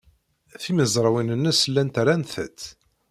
Timezrawin-nnes llant rannt-t.